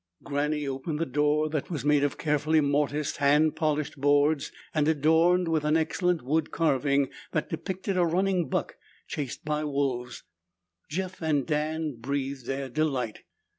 Granny opened the door that was made of carefully mortised, hand polished boards and adorned with an excellent wood carving that depicted a running buck chased by wolves. Jeff and Dan breathed their delight.